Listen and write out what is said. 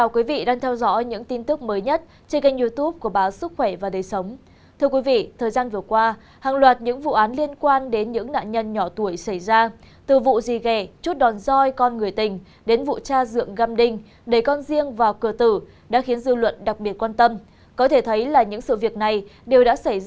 các bạn hãy đăng ký kênh để ủng hộ kênh của chúng mình nhé